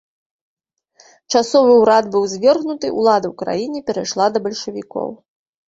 Часовы ўрад быў звергнуты, улада ў краіне перайшла да бальшавікоў.